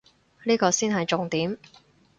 呢個先係重點